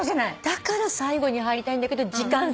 だから最後に入りたいんだけど時間差